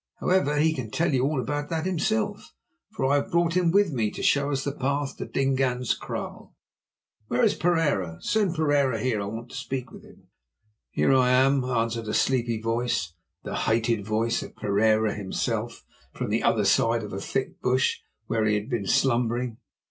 However, he can tell you all about that himself, for I have brought him with me to show us the path to Dingaan's kraal. Where is Pereira? Send Pereira here. I want to speak with him." "Here I am," answered a sleepy voice, the hated voice of Pereira himself, from the other side of a thick bush, where he had been slumbering.